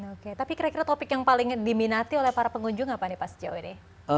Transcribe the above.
oke tapi kira kira topik yang paling diminati oleh para pengunjung apa nih pak sejauh ini